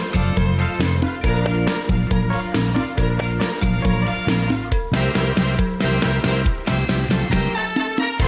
สวัสดีครับ